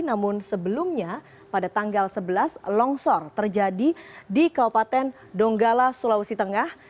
namun sebelumnya pada tanggal sebelas longsor terjadi di kabupaten donggala sulawesi tengah